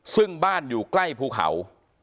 ซึ่งบ้านอยู่ใกล้ภูเขา